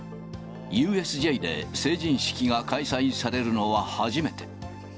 ＵＳＪで成人式が開催されるのは初めて。